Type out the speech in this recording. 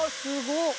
すごっ！